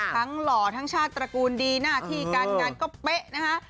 หล่อทั้งชาติตระกูลดีหน้าที่การงานก็เป๊ะนะคะ